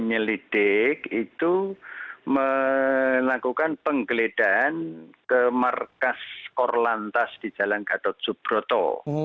penyelidik itu melakukan penggeledahan ke markas korlantas di jalan gatot subroto